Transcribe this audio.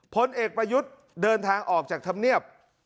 พลเอกประยุทธ์เดินทางออกจากธรรมเนียบ